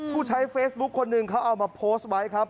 ผู้ใช้เฟซบุ๊คคนหนึ่งเขาเอามาโพสต์ไว้ครับ